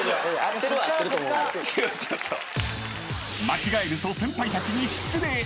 ［間違えると先輩たちに失礼］